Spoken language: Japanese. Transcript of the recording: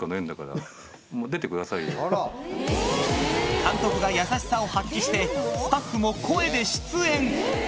監督が優しさを発揮してスタッフも声で出演